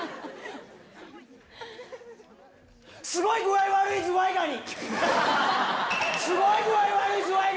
スゴい具合悪いズワイガニ。